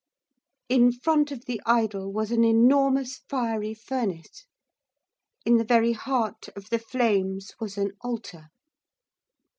In front of the idol was an enormous fiery furnace. In the very heart of the flames was an altar.